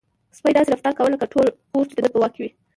سپی داسې رفتار کاوه لکه ټول کور چې د ده په واک کې وي.